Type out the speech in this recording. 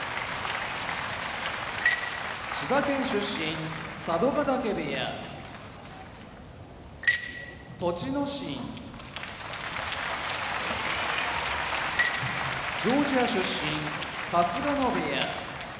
千葉県出身佐渡ヶ嶽部屋栃ノ心ジョージア出身春日野部屋